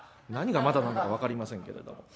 何が「まだ」なのか分かりませんけれども。